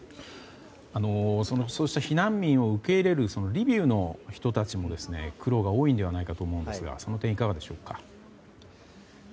そうした避難民を受け入れるリビウの人たちも苦労が多いのではないかと思うんですがその点いかがでしょうか。